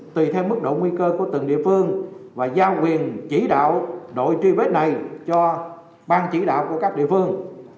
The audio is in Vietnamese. tùy theo mức độ nguy cơ của từng địa phương và giao quyền chỉ đạo đội truy vết này cho ban chỉ đạo của các địa phương